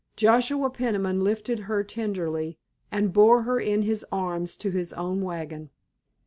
Joshua Peniman lifted her tenderly and bore her in his arms to their own wagon.